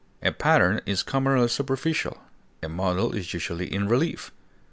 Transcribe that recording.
A pattern is commonly superficial; a model is usually in relief.